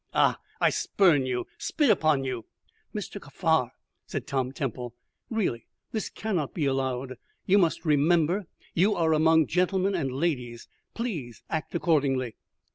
Ah, I spurn you, spit upon you." "Mr. Kaffar," said Tom Temple, "really this cannot be allowed. You must remember you are among gentlemen and ladies. Please act accordingly."